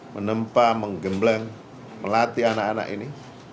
menempa menggembleng melatih anak anak ini